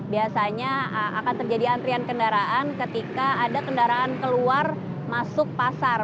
biasanya akan terjadi antrian kendaraan ketika ada kendaraan keluar masuk pasar